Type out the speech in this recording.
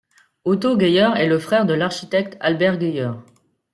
Otto Geyer est le frère de l'architecte Albert Geyer.